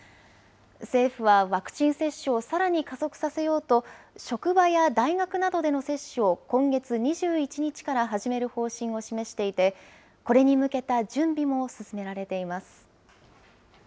政府はワクチン接種をさらに加速させようと、職場や大学などでの接種を、今月２１日から始める方針を示していて、これに向けた準備も進められています。